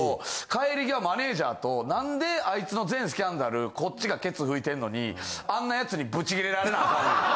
帰り際マネージャーとなんであいつの全スキャンダルこっちがケツ拭いてんのにあんなヤツにブチギレられなあかん。